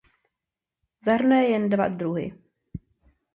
Zahrnuje jen dva druhy.